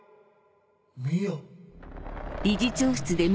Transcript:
見よ！